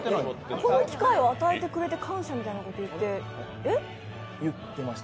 この機会を与えてくれて感謝みたいなことを言ってました。